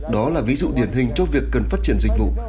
đó là ví dụ điển hình cho việc cần phát triển dịch vụ